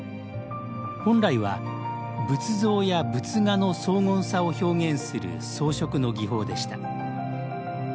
本来は仏像や仏画の荘厳さを表現する装飾の技法でした。